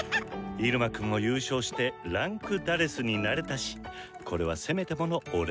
入間くんも優勝して位階「４」になれたしこれはせめてものお礼！